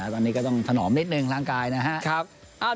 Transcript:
ตอนนี้ก็ต้องถนอมแรกเลยของการออกกำลังกายนะ